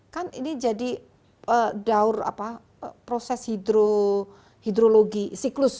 kan ini jadi daur proses hidrologi siklus